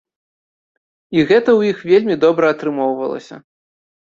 І гэта ў іх вельмі добра атрымоўвалася.